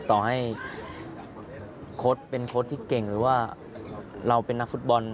ต่อให้โค้ดเป็นโค้ดที่เก่งหรือว่าเราเป็นนักฟุตบอล